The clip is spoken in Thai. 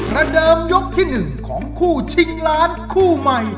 ระเดิมยกที่๑ของคู่ชิงล้านคู่ใหม่